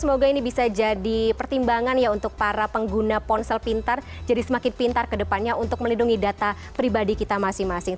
semoga ini bisa jadi pertimbangan ya untuk para pengguna ponsel pintar jadi semakin pintar ke depannya untuk melindungi data pribadi kita masing masing